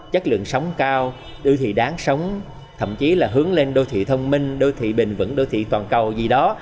chất lượng sống cao đô thị đáng sống thậm chí là hướng lên đô thị thông minh đô thị bền vững đô thị toàn cầu gì đó